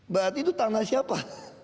berarti itu tanah siapa